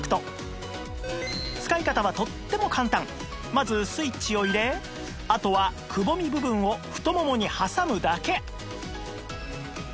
まずスイッチを入れあとはくぼみ部分を太ももに挟むだけ